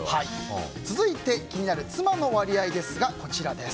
続いて気になる妻の割合です。